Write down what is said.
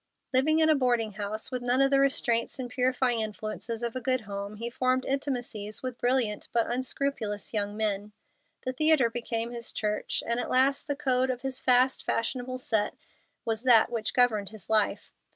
Living in a boarding house, with none of the restraints and purifying influences of a good home, he formed intimacies with brilliant but unscrupulous young men. The theatre became his church, and at last the code of his fast, fashionable set was that which governed his life.